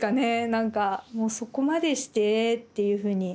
なんかもうそこまでしてっていうふうに。